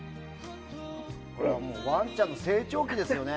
ワンちゃんの成長記ですよね。